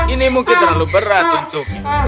ini mungkin terlalu berat untuk